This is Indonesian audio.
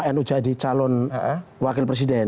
yang menjadi calon wakil presiden